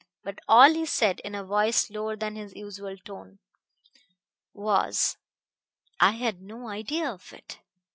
But all he said, in a voice lower than his usual tone, was: "I had no idea of it."